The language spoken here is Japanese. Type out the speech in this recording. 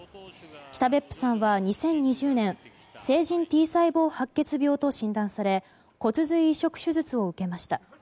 北別府さんは、２０２０年成人Ｔ細胞白血病と診断され骨髄移植手術を受けました。